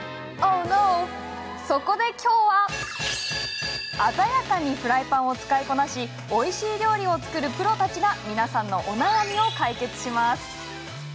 そこで、きょうは鮮やかにフライパンを使いこなしおいしい料理を作るプロたちが皆さんのお悩みを解決します。